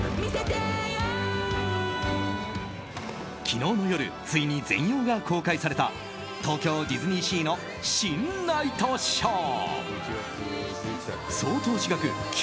昨日の夜ついに全容が公開された東京ディズニーシーの新ナイトショー。